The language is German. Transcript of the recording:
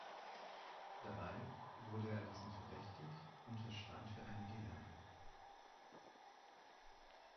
Dabei wurde er diesen verdächtig und verschwand für einige Jahre.